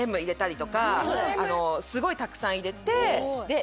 すごいたくさん入れて。